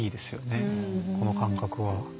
この感覚は。